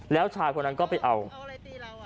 แล้วชายคนนั้นก็ไปเอาอะไรตีเรา